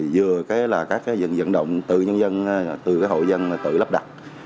vừa là các dân dận động từ hộ dân tự lắp đặt